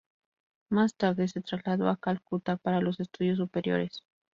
Más tarde se trasladó a Calcuta para los estudios superiores.